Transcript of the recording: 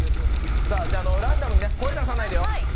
ランダムにね、声出さないでよ。